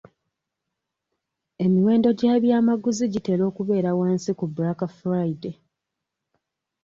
Emiwendo gy'ebyamaguzi gitera kubeera wansi ku black Friday.